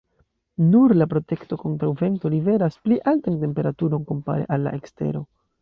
Nur la protekto kontraŭ vento „liveras“ pli altan temperaturon kompare al la ekstero.